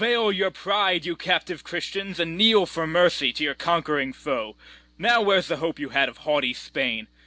Now vail your pride, you captive Christians, And kneel for mercy to your conquering foe: Now where's the hope you had of haughty Spain?